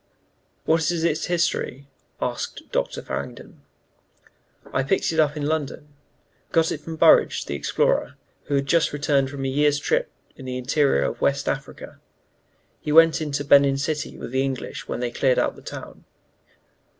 "What is its history?" asked Dr. Farrington. "I picked it up in London. Got it from Burridge, the explorer, who had just returned from a year's trip in the interior of West Africa. He went into Benin City with the English when they cleaned out the town.